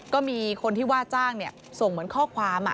ก็มีคนที่ว่าจ้างส่งเหมือนข้อความ